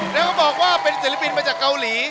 แล้วก็บอกว่าเป็นศิลปินมาจากเกาหลี